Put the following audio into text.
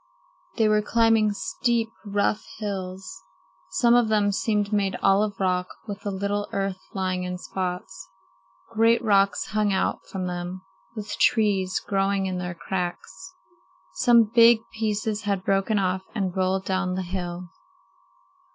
They were climbing steep, rough hills. Some of them seemed made all of rock, with a little earth lying in spots. Great rocks hung out from them, with trees growing in their cracks. Some big pieces had broken off and rolled down the hill.